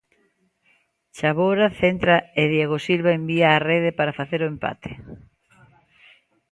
Chaboura centra e Diego Silva envía á rede para facer o empate.